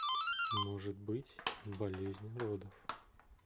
Может быть, болезнь родов.